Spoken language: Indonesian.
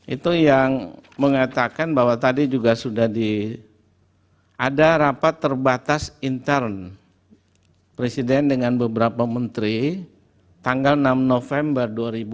itu yang mengatakan bahwa tadi juga sudah ada rapat terbatas intern presiden dengan beberapa menteri tanggal enam november dua ribu dua puluh